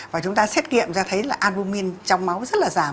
và chúng ta xét nghiệm ra thấy là alpumin trong máu rất là giảm